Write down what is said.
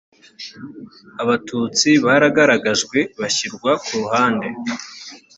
abatutsi baragaragajwe bashyirwa ku ruhande